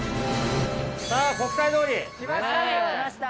さぁ国際通り。来ました。